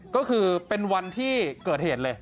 ก็คือเป็นวันที่เกิดเหตุเลย